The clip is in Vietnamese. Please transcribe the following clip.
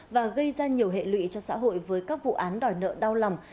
và gây ra nhiều hệ lụy cho xã hội với các vụ án đòi nợ đau lòng